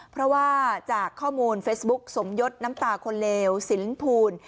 เพราะว่าจากข้อมูลเฟซบุ๊กสมยศน้ำตาคนเลวสินภูล